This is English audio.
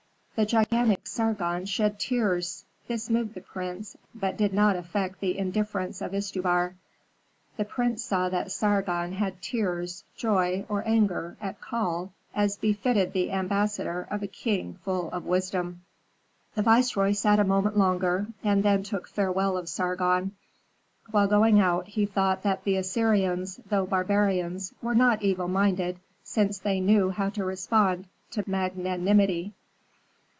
The gigantic Sargon shed tears; this moved the prince but did not affect the indifference of Istubar. The priest saw that Sargon had tears, joy, or anger, at call, as befitted the ambassador of a king full of wisdom. The viceroy sat a moment longer, and then took farewell of Sargon. While going out, he thought that the Assyrians, though barbarians, were not evil minded, since they knew how to respond to magnanimity.